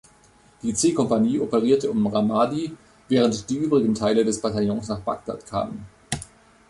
Die C-Kompanie operierte um Ramadi, während die übrigen Teile des Bataillons nach Bagdad kamen.